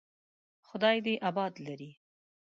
خدای دې آباد لري.